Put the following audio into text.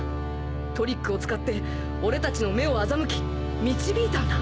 トリックを使って俺たちの目を欺き導いたんだ